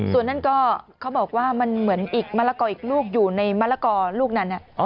ส่วนนั้นก็เขาบอกว่ามันเหมือนอีกมะละกออีกลูกอยู่ในมะละกอลูกนั้น